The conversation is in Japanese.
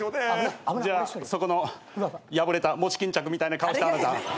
じゃあそこの破れた餅巾着みたいな顔したあなた。